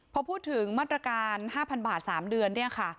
พอพูดถึงมาตรการ๕๐๐บาท๓เดือนเนี่ยค่ะ